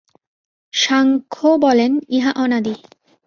সাংখ্য বলেন, ইহা অনাদি।